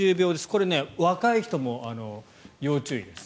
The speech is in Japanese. これ、若い人も要注意です。